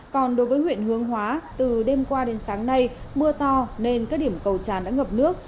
còn đối với huyện hương hóa từ đêm qua đến sáng nay mưa to nên các điểm cầu tràn đã ngập nước